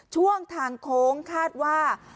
ช่วงทางโค้งคาดว่า